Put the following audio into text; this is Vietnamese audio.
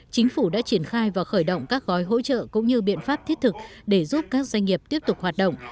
chính phủ đã triển khai và khởi động các gói hỗ trợ cũng như biện pháp thiết thực để giúp các doanh nghiệp tiếp tục hoạt động